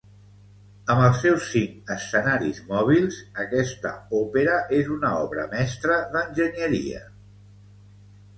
Amb els seus cinc escenaris mòbils, aquesta òpera és una obra mestra d'enginyeria.